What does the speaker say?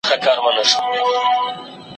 په یوه ګړي یې مرګ ته برابر کړ